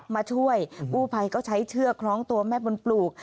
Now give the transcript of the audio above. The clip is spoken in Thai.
มาช่วยกู้ภัยก็ใช้เชือกคล้องตัวแม่บนปลูก